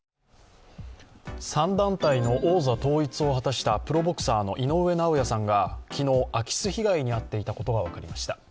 ３団体の王座統一を果たしたプロボクサーの井上尚弥さんが昨日、空き巣被害に遭っていたことが分かりました。